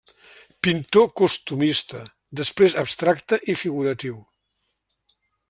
Pintor costumista, després abstracte i figuratiu.